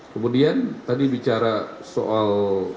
kemudian tadi bicara soal